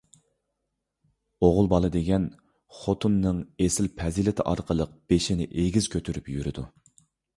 ئوغۇل بالا دېگەن خوتۇننىڭ ئېسىل پەزىلىتى ئارقىلىق بېشىنى ئېگىز كۆتۈرۈپ يۈرىدۇ.